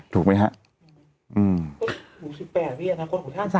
ถูกไหมครับ